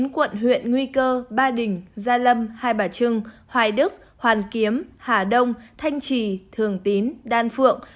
bốn quận huyện nguy cơ ba đình gia lâm hai bà trưng hoài đức hoàn kiếm hà đông thanh trì thường tín đan phượng